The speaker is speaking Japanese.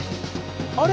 あれ！？